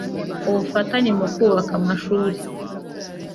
ubufatanye mu kubaka amashuri